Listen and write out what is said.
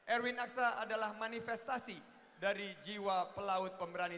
erwin aksa adalah manifestasi dari jiwa pelaut pemberani